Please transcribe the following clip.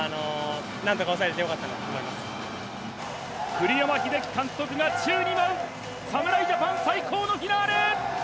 栗山英樹監督が宙に舞う侍ジャパン最高のフィナーレ！